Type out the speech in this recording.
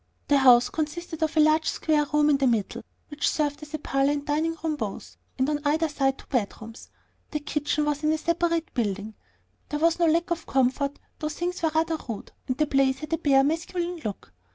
The house consisted of one large square room in the middle, which served as parlor and dining room both, and on either side two bedrooms. The kitchen was in a separate building. There was no lack of comfort, though things were rather rude, and the place had a bare, masculine look.